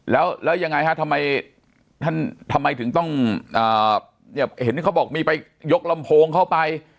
แล้วยังไงฮะทำไมท่านทำไมถึงต้องเห็นเขาบอกมีไปยกลำโพงเข้าไป